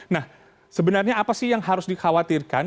nah sebenarnya apa sih yang harus dikhawatirkan